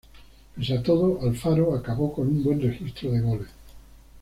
Pese a todo, Alfaro acabó con un buen registro de goles.